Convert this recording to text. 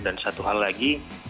dan satu hal lagi